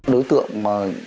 đối tượng mà